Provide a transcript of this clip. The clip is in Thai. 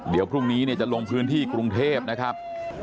เดี๋ยวพรุ่งนี้จะลงพื้นที่กรุงเทพนะครับ